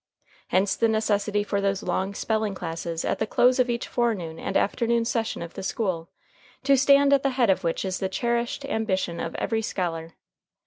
Hence the necessity for those long spelling classes at the close of each forenoon and afternoon session of the school, to stand at the head of which is the cherished ambition of every scholar.